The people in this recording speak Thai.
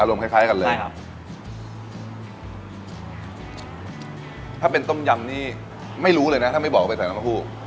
คล้ายกันเลยใช่ครับถ้าเป็นต้มยำนี่ไม่รู้เลยนะถ้าไม่บอกว่าไปใส่น้ำเต้าหู้